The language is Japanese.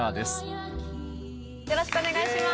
よろしくお願いします。